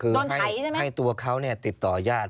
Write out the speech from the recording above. คือให้ตัวเขาติดต่อญาติ